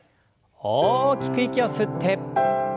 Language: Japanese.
大きく息を吸って。